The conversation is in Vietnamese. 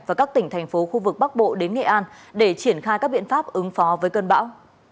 và các tỉnh thành phố khu vực bắc bộ đến nghệ an để triển khai các biện pháp ứng phó với cơn bão